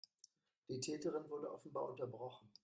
Die Täterin wurde offenbar unterbrochen.